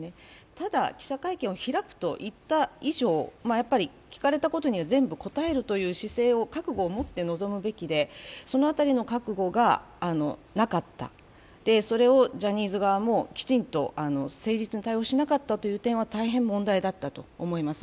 ただ記者会見を開くといった以上、聞かれたことには全部答えるという姿勢、覚悟をもって臨むべきで、その辺りの覚悟がなかった、それをジャニーズ側もきちんと誠実に対応しなかったという点は大変問題だったと思います。